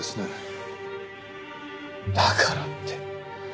だからって。